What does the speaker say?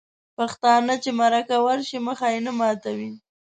پښتانه چې مرکه ورشي مخ یې نه ماتوي.